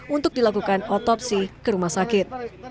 untuk dilakukan otopsi ke rumah sakit